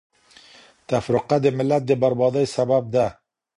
تفرقه د ملت د بربادۍ سبب ده.